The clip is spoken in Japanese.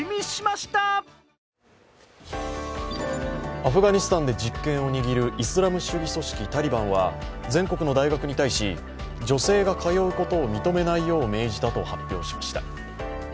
アフガニスタンで実権を握るイスラム主義組織タリバンは全国の大学に対し、女性が通うことを認めないよう命じたと発表しました。